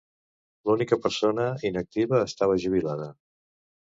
L'única persona inactiva estava jubilada.